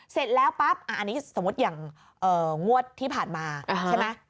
เสร็จแล้วปั๊บอันนี้สมมุติอย่างงวดที่ผ่านมาใช่ไหม